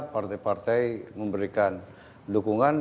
partai partai memberikan dukungan